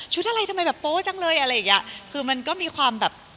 อะไรทำไมแบบโป๊จังเลยอะไรอย่างเงี้ยคือมันก็มีความแบบ